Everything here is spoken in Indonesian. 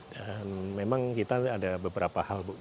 dan memang kita ada beberapa hal ibu